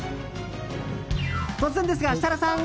突然ですが、設楽さん！